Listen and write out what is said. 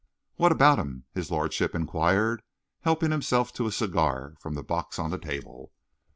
"What about him?" his lordship enquired, helping himself to a cigar from the box on the table.